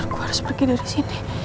aku harus pergi dari sini